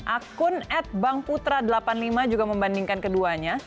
akun at bank putra delapan puluh lima juga membandingkan keduanya